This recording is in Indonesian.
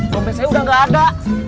dompet saya udah gak ada